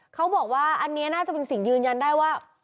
เขาบอกว่าอันนี้น่าจะเป็นสิ่งยืนยันได้ว่า